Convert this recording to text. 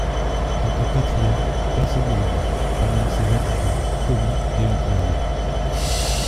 Quant au quatrième, personne ne le voit, pas même ses adjudants, commis et employés.